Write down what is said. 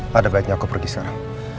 pada baiknya aku pergi sekarang